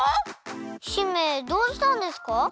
姫どうしたんですか？